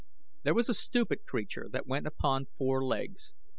There was a stupid creature that went upon four legs.